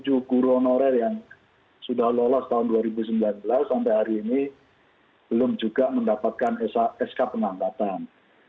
ada tiga puluh empat sembilan ratus lima puluh tujuh guru honorer yang sudah lolos tahun dua ribu sembilan belas sampai hari ini belum juga mendapatkan sk penangkatan